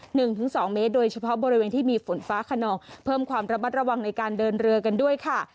หนึ่งถึงสองเมตรโดยเฉพาะบริเวณที่มีฝนฟ้าขนองเพิ่มความระมัดระวังในการเดินเรือกันด้วยค่ะ